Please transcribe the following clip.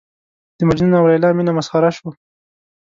د مجنون او لېلا مینه مسخره شوه.